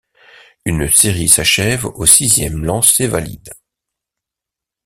Une série s'achève au sixième lancer valide.